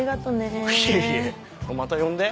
いえいえまた呼んで。